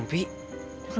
maka qualities udah cheap